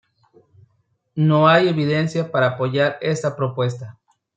No hay evidencia para apoyar esta propuesta.